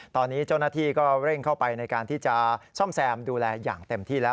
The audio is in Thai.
ตอนนี้เจ้าหน้าที่ก็เร่งเข้าไปในการที่จะซ่อมแซมดูแลอย่างเต็มที่แล้ว